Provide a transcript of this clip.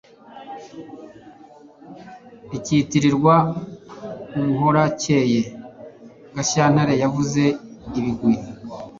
ikitirirwa 'muhorakeye gashyantare yavuze ibigwi